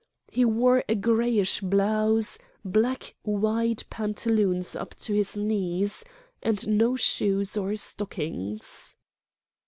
He wore a gray ish blouse, black, wide pantaloons up to his knees, and no shoes or stockings.